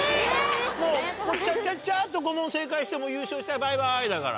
もうちゃっちゃっちゃっと５問正解して優勝してバイバイだから。